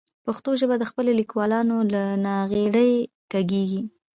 پښتو ژبه د خپلو لیکوالانو له ناغېړۍ کړېږي.